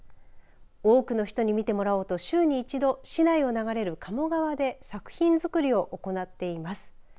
多くの人に見てもらおうと、週に１度市内を流れる鴨川で作品作りを行っています。